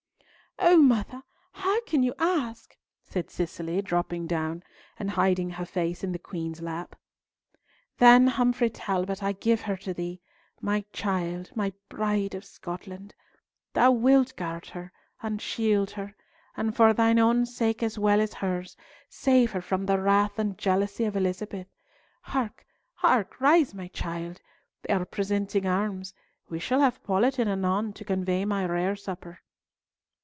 "O mother, how can you ask?" said Cicely, dropping down, and hiding her face in the Queen's lap. "Then, Humfrey Talbot, I give her to thee, my child, my Bride of Scotland. Thou wilt guard her, and shield her, and for thine own sake as well as hers, save her from the wrath and jealousy of Elizabeth. Hark, hark! Rise, my child. They are presenting arms. We shall have Paulett in anon to convey my rere supper."